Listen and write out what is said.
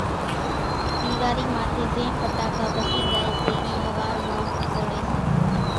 ۮيواري ماٿي زين ڦٽاڪا ڀسي زائي سيِ اِي ۿوار مان ڦوڙي سي